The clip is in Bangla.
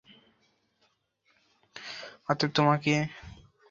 অতএব, তাকে আমার সাহায্যকারীরূপে প্রেরণ কর, সে আমাকে সমর্থন করবে।